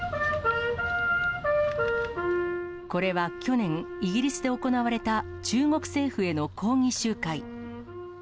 これは去年、イギリスで行われた、中国政府への抗議集会。